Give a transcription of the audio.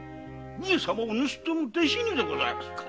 上様を盗っ人の弟子にでございますか！？